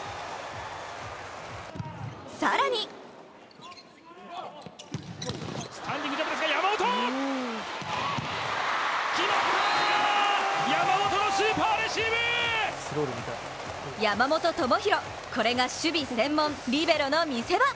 更に山本智大、これが守備専門、リベロの見せ場！